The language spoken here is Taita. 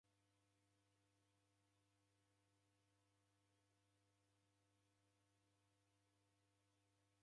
Kucha sinda na mwana wapo ituku jichaa, nekunda nighende njumonyi.